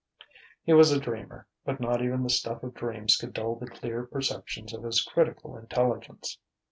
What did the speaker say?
He was a dreamer, but not even the stuff of dreams could dull the clear perceptions of his critical intelligence....